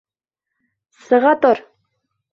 Сыға тор!